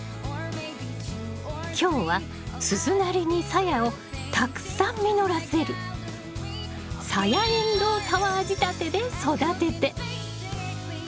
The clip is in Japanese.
今日は鈴なりにサヤをたくさん実らせるサヤエンドウタワー仕立てで育てて。